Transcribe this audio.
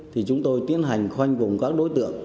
thì chúng tôi tiến hành khoanh vùng các đối tượng